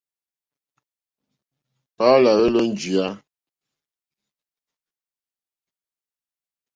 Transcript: Paul à hwélō njìyá.